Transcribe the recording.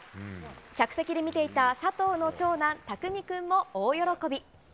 客席で見ていた佐藤の長男匠君も大喜び。